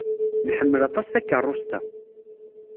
Nḥemmel aṭas takeṛṛust-a.